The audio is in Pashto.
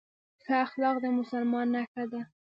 ښه اخلاق د مسلمان نښه ده